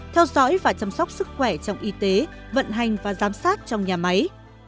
theo dõi và chăm sóc sức khỏe trong y tế vận hành và giám sát trong nhà máy